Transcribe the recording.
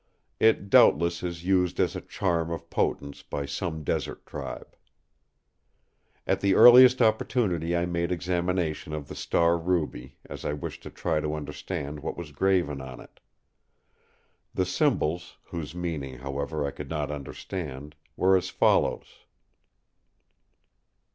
It doubtless is used as a charm of potence by some desert tribe. "At the earliest opportunity I made examination of the Star Ruby, as I wished to try to understand what was graven on it. The symbols—whose meaning, however, I could not understand—were as follows..."